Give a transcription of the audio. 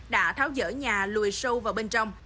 đã tháo dỡ nhà lùi sâu vào bên trong